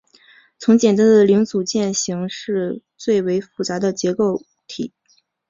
从简单的零组件型式最为复杂的结构体。